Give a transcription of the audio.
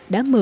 đã mở ra